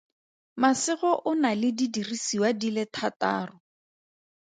Masego o na le didiriswa di le thataro.